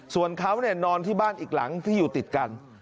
ส่วนเขานอนที่บ้านอีกหลังที่อยู่ติดกัน